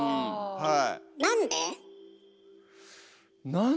はい。